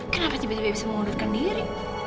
kenapa tiba tiba bisa mengulurkan diri